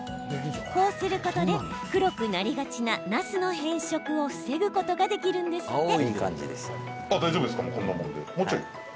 こうすることで黒くなりがちな、なすの変色を防ぐことができるんですって。